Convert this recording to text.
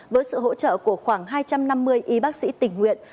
với sự hỗ trợ của khoảng hai trăm năm mươi y bác sĩ tình nguyện